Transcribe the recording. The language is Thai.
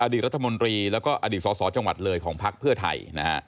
อดีตรัฐมนตรีแล้วก็อดีตสอนจังหวัดเลยของภักดิ์เพื่อไทย